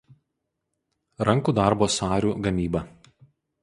Rankų darbo sarių gamyba.